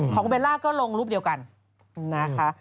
เบลล่าก็ลงรูปเดียวกันนะคะ